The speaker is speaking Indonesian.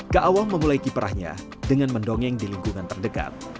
kaawam memulai kiprahnya dengan mendongeng di lingkungan terdekat